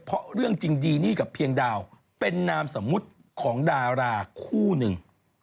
เพราะเรื่องจริงดีนี่กับเพียงดาวเป็นนามสมมุติของดาราคู่หนึ่ง